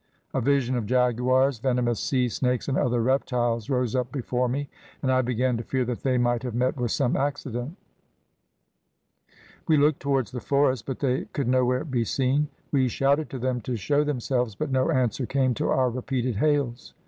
A vision of jaguars, venomous sea snakes and other reptiles, rose up before me, and I began to fear that they might have met with some accident. We looked towards the forest, but they could nowhere be seen. We shouted to them to show themselves, but no answer came to our repeated hails.